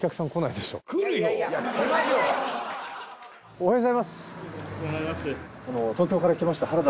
おはようございます。